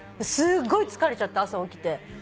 すごい疲れちゃって朝起きて。